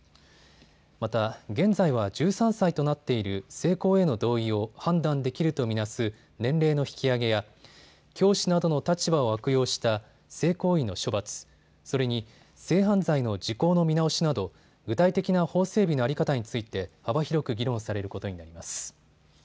また、現在は１３歳となっている性交への同意を判断できると見なす年齢の引き上げや、教師などの立場を悪用した性行為の処罰、それに性犯罪の時効の見直しなど具体的な法整備の在り方について幅広く議論されることになります。